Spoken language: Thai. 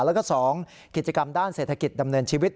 แล้วก็๒กิจกรรมด้านเศรษฐกิจดำเนินชีวิต